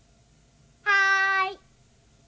はい。